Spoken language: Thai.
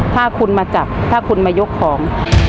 ถ้าคุณมาจับถ้าคุณมายกของ